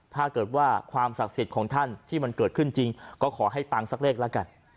ถ้าเกิดว่าความศักดิ์สิทธิ์ของท่านที่มันเกิดขึ้นจริงก็ขอให้ปังสักเลขแล้วกัน